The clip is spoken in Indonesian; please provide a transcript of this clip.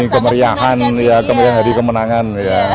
kemeriahan ya kemudian hari kemenangan